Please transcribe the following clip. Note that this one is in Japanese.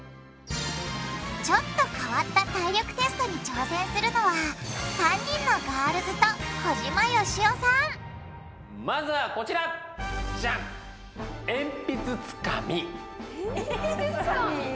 ちょっと変わった体力テストに挑戦するのは３人のガールズと小島よしおさんじゃん！